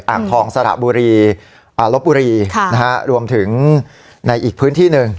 อ่างทองสระบุรีลบบุรีรวมถึงในอีกพื้นที่หนึ่ง